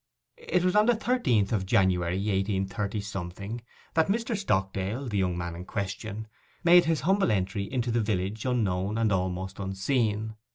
It was on the thirteenth of January 183 that Mr. Stockdale, the young man in question, made his humble entry into the village, unknown, and almost unseen.